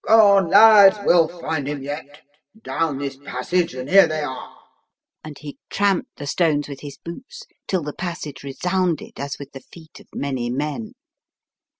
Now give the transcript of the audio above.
"Come on, lads, we'll find him yet! Down this passage, and here they are." And he tramped the stones with his boots till the passage resounded as with the feet of many men.